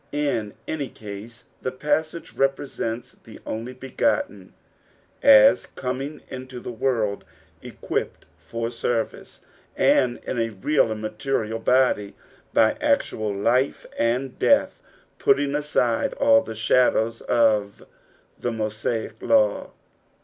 In any case, the passage represents the Only Begotten aa coming into the world equipped for service ; and in a real tind material uody, by actual life and death, putting axide all the shadows of the tlosaic law.